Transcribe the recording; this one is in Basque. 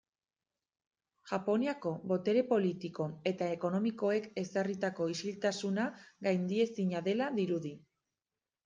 Japoniako botere politiko eta ekonomikoek ezarritako isiltasuna gaindiezina dela dirudi.